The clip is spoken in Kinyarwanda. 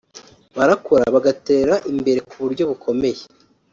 barakora bagatera imbere ku buryo bukomeye